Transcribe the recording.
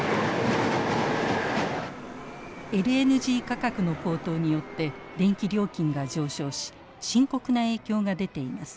ＬＮＧ価格の高騰によって電気料金が上昇し深刻な影響が出ています。